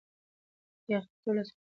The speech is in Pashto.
دی خپل تور لاسونه په جېبونو کې ګوري.